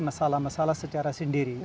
masalah masalah secara sendiri